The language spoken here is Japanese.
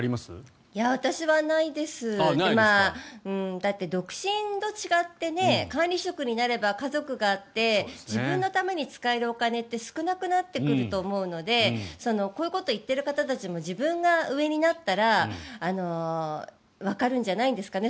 だって、独身と違って管理職になれば家族があって自分のために使えるお金って少なくなってくると思うのでこういうことを言っている方たちも自分が上になったらわかるんじゃないんですかね